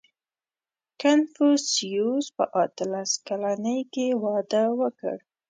• کنفوسیوس په اتلس کلنۍ کې واده وکړ.